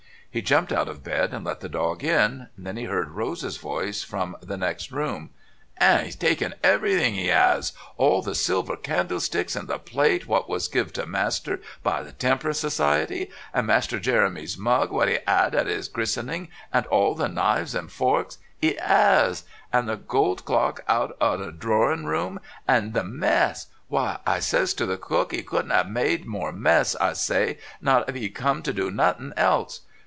He jumped out of bed and let the dog in. Then he heard Rose's voice from the next room: "... and 'e's taken everything, 'e 'as. All the silver candlesticks and the plate what was give to master by the Temp'rance Society, and Master Jeremy's mug what he 'ad at 'is christening and all the knives and forks 'e 'as and the gold clock out o' the drorin' room, and the mess! Why, I says to Cook 'e couldn't 'ave made more mess, I say, not if 'e'd come to do nothin' else.